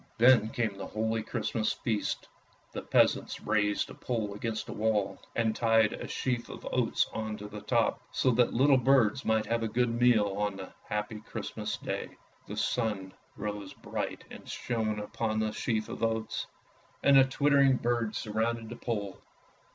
Then came the holy Christmas Feast. The peasants raised a pole against a wall, and tied a sheaf of oats on to the top, so that the little birds might have a good meal on the happy Christ mas day. The sun rose bright and shone upon the sheaf of oats, and the twittering birds surrounded the pole.